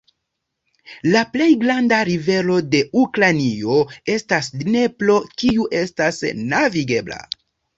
La plej granda rivero de Ukrainio estas Dnepro, kiu estas navigebla.